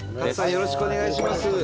よろしくお願いします。